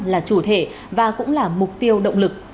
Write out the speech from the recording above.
là chủ thể và cũng là mục tiêu động lực